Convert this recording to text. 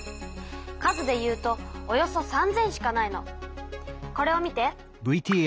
数でいうとおよそ３，０００しかないの。これを見て。